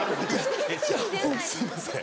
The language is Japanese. ・すいません。